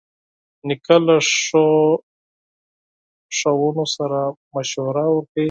نیکه له ښو ښوونو سره مشوره ورکوي.